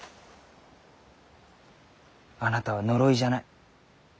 あなたは呪いじゃない。